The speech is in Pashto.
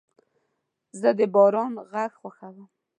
زه د باران غږ خوښوم.